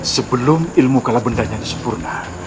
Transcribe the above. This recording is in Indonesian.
sebelum ilmu kalah bendanya sempurna